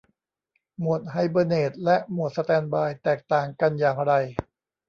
โหมดไฮเบอร์เนตและโหมดสแตนด์บายแตกต่างกันอย่างไร